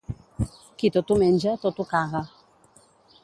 Qui tot ho menja, tot ho caga.